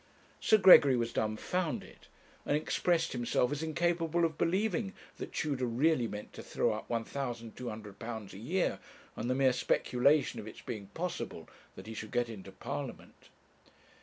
Sir Gregory was dumbfounded, and expressed himself as incapable of believing that Tudor really meant to throw up £1,200 a year on the mere speculation of its being possible that he should get into Parliament.